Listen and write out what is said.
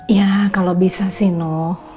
ya kalau bisa sih no